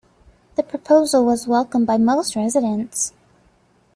The proposal was welcomed by most residents.